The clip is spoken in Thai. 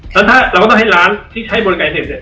และถ้าเราก็ต้องให้ร้านที่ใช้บริการเสร็จ